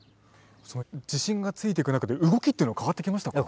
自信がついていく中で動きっていうのは変わってきましたか？